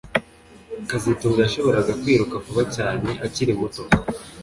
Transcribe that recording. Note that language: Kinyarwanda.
kazitunga yashoboraga kwiruka vuba cyane akiri muto